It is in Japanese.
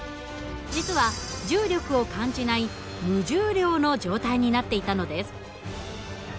実は重力を感じない無重量の状態になっていたのです。